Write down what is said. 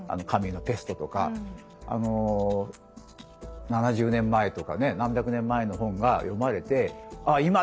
カミュの「ペスト」とかあの７０年前とかね何百年前の本が読まれてああ